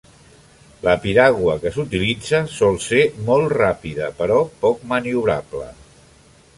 La piragua que s'utilitza sol ser molt ràpida però poc maniobrable.